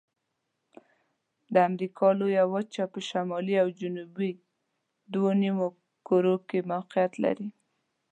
د امریکا لویه وچه په شمالي او جنوبي دوه نیمو کرو کې موقعیت لري.